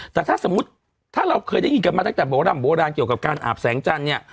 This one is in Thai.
แต่ถ้าสมมุติถ้าเราเคยได้ยินกันมาตั้งแต่โบร่ำโบราณเกี่ยวกับการอาบแสงจันทร์เนี่ย